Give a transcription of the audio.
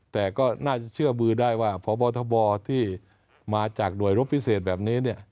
แต่ก็น่าจะเชื่อมือได้ว่าพบทบที่มาจากหน่วยรบพิเศษแบบนี้